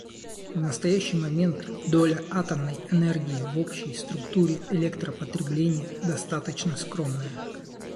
В настоящий момент доля атомной энергии в общей структуре электропотребления достаточно скромная.